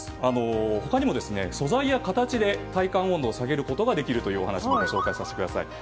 他にも素材や形で体感温度を解消できるというお話をご紹介させてください。